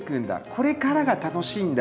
これからが楽しいんだ